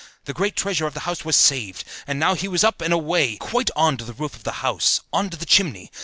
The great treasure of the house was saved; and now he ran up and away, quite on to the roof of the house, on to the chimney.